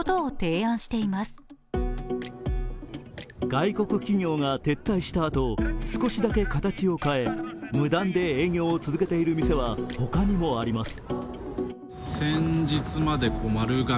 外国企業が撤退したあと少しだけ形を変え無断で営業を続けている店は他にもあります。